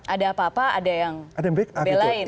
ada apa apa ada yang belain